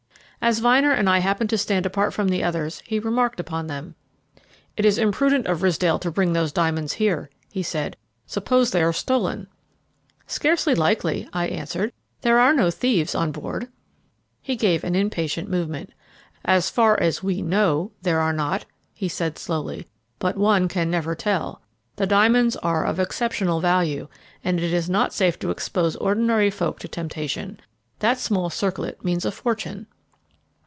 As Vyner and I happened to stand apart from the others he remarked upon them. "It was imprudent of Ridsdale to bring those diamonds here," he said. "Suppose they are stolen?" "Scarcely likely," I answered; "there are no thieves on board." He gave an impatient movement. "As far as we know there are not," he said slowly, "but one can never tell. The diamonds are of exceptional value, and it is not safe to expose ordinary folk to temptation. That small circlet means a fortune."